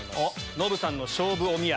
ノブさんの勝負おみや